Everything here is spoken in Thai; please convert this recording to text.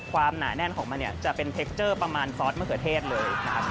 หนาแน่นของมันเนี่ยจะเป็นเทคเจอร์ประมาณซอสมะเขือเทศเลยครับ